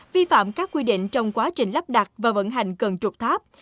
vi phạm các quy định trong quá trình lắp đặt và vận hành cân trục tháp